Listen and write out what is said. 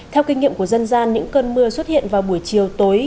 theo kinh nghiệm của dân gian những cơn mưa xuất hiện vào buổi chiều tối